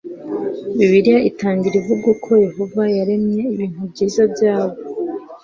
Bibiliya itangira ivuga uko Yehova yaremye ibintu byiza byaba